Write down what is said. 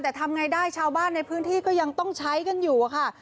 แต่ทำไงได้ชาวบ้านในพื้นที่ก็ยังต้องใช้กันอยู่อะค่ะ